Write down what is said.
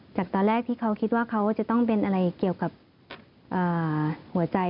จากตอนแรกที่เขาคิดว่าเขาจะต้องเป็นอะไรเกี่ยวกับหัวใจ